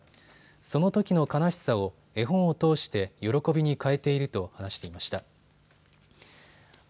そのときの悲しさを絵本を通して喜びに変えていると話していました。